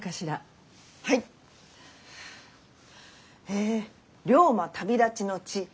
え龍馬旅立ちの地